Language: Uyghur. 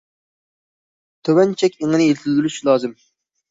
تۆۋەن چەك ئېڭىنى يېتىلدۈرۈش لازىم.